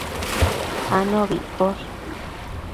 anobi iccosh